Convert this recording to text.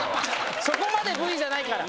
そこまでＶじゃないから。